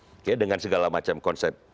oke dengan segala macam konsep